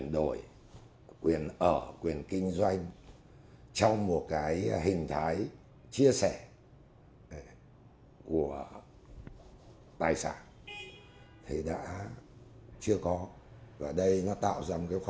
đến cái tỷ lệ